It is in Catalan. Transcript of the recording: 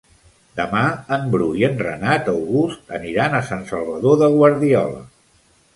Demà en Bru i en Renat August aniran a Sant Salvador de Guardiola.